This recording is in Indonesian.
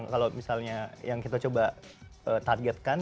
kalau misalnya yang kita coba targetkan